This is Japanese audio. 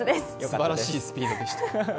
素晴らしいスピードでした。